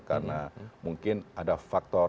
karena mungkin ada faktor